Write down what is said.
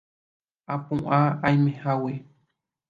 Apu'ã aimehágui